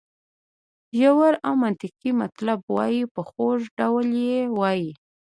ژور او منطقي مطلب وایي په خوږ ډول یې وایي.